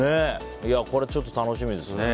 これはちょっと楽しみですね。